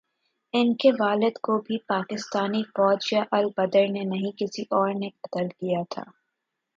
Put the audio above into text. ان کے والد کو بھی پاکستانی فوج یا البدر نے نہیں، کسی اور نے قتل کیا تھا۔